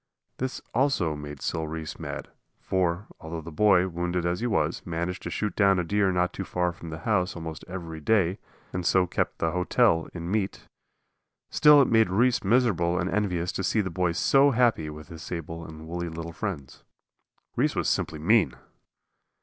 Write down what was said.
This also made Sil Reese mad. For, although the boy, wounded as he was, managed to shoot down a deer not too far from the house almost every day, and so kept the "hotel" in meat, still it made Reese miserable and envious to see the boy so happy with his sable and woolly little friends. Reese was simply mean!